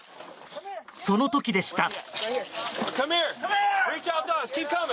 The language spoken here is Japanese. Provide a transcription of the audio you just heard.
その時でした。